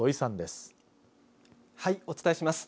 お伝えします。